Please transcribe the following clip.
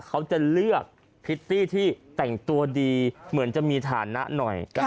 เขาจะเลือกพริตตี้ที่แต่งตัวดีเหมือนจะมีฐานะหน่อย